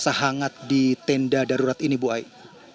memberikan rasa hangat di tenda darurat ini bu aik